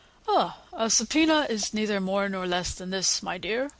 "A sub poena is neither more nor less than this, my dear.